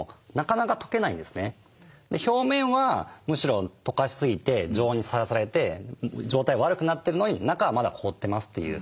表面はむしろとかしすぎて常温にさらされて状態は悪くなってるのに中はまだ凍ってますっていう。